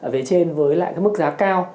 về trên với lại cái mức giá cao